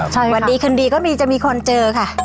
ใช่ค่ะวันดีขึ้นดีก็จะมีคนเจอค่ะ